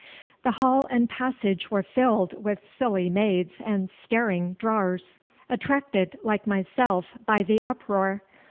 The hall and passage were filled with silly maids and staring drawers, attracted, like myself, by the uproar.